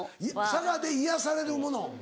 佐賀で癒やされるもの？